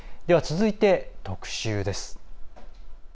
続いて、特集です。